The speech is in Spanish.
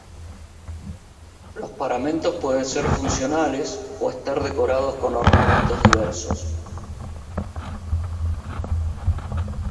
Los paramentos pueden ser funcionales, o estar decorados con ornamentos diversos.